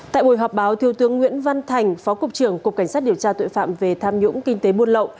tại buổi họp báo thiếu tướng nguyễn văn thành phó cục trưởng cục cảnh sát điều tra tội phạm về tham nhũng kinh tế buôn lậu